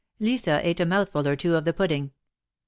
Lisa eat a mouthful or two of the pudding.